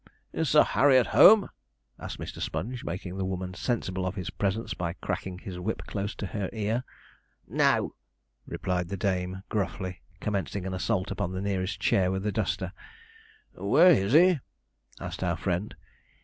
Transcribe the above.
'Sir Harry at home?' asked Mr. Sponge, making the woman sensible of his presence, by cracking his whip close to her ear. 'No,' replied the dame gruffly, commencing an assault upon the nearest chair with a duster. 'Where is he?' asked our friend.